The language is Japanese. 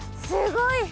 すごい！